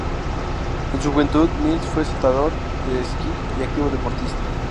En su juventud Nils fue saltador de esquí y activo deportista.